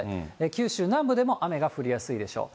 九州南部でも雨が降りやすいでしょう。